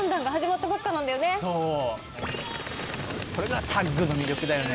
これがタッグの魅力だよね。